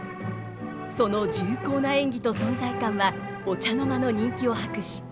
その重厚な演技と存在感はお茶の間の人気を博し